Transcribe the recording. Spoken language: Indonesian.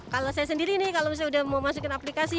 kalau saya sendiri nih kalau misalnya udah mau masukin aplikasi